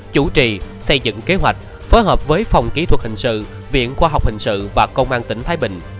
chủ trì xây dựng kế hoạch phối hợp với phòng kỹ thuật hình sự viện khoa học hình sự và công an tỉnh thái bình